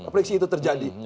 periksi itu terjadi